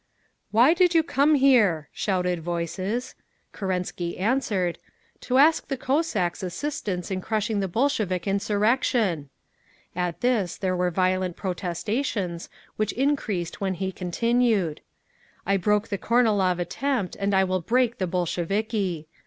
"Why did you come here?" shouted voices. Kerensky answered, "To ask the Cossacks' assistance in crushing the Bolshevik insurrection!" At this there were violent protestations, which increased when he continued, "I broke the Kornilov attempt, and I will break the Bolsheviki!"